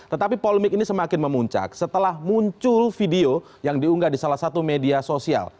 tetapi polemik ini semakin memuncak setelah muncul video yang diunggah di salah satu media sosial